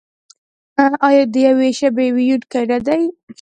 آیا د یوې ژبې ویونکي نه دي؟